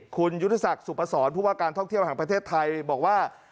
คุณยุทธศักดิ์สุพศรผู้ว่าการท่องเที่ยวแห่งประเทศไทยบอกว่า